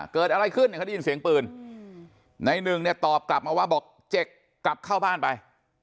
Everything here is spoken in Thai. เกิดอะไรขึ้นเนี่ยเขาได้ยินเสียงปืนในหนึ่งเนี่ยตอบกลับมาว่าบอกเจ็กกลับเข้าบ้านไป